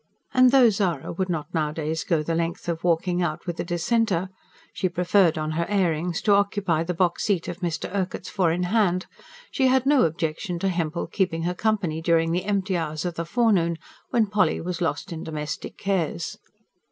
And though Zara would not nowadays go the length of walking out with a dissenter she preferred on her airings to occupy the box seat of Mr. Urquhart's four in hand she had no objection to Hempel keeping her company during the empty hours of the forenoon when Polly was lost in domestic cares.